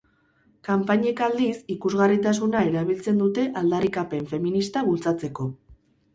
Kanpainek, aldiz, ikusgarritasuna erabiltzen dute aldarrikapen feminista bultzatzeko.